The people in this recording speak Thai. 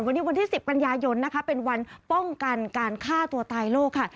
วันนี้วันที่๑๐กันยายนนะคะเป็นวันป้องกันการฆ่าตัวตายโลกค่ะ